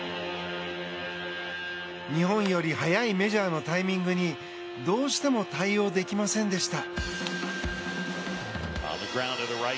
日本より速いメジャーのタイミングにどうしても対応できませんでした。